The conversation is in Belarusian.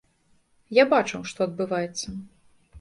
Я бачыў, што адбываецца.